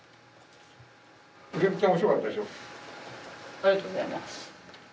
ありがとうございます。